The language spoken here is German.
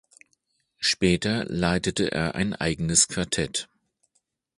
Später leitete er ein eigenes Quartett.